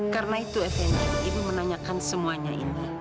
karena itu fni ibu menanyakan semuanya ini